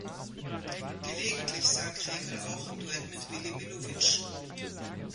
Gelegentlich sang Krekel auch im Duett mit Willy Millowitsch.